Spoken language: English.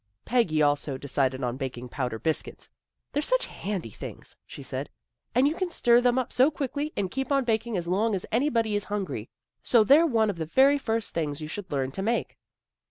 Peggy also decided on baking powder biscuits. " They're such handy things," she said. " And you can stir them up so quickly A BUSY AFTERNOON 61 and keep on baking as long as anybody is hun gry; so they're one of the very first things you should learn to make."